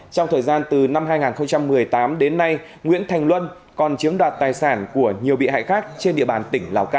trong thời gian từ năm hai nghìn một mươi tám đến nay nguyễn thành luân còn chiếm đoạt tài sản của nhiều bị hại khác trên địa bàn tỉnh lào cai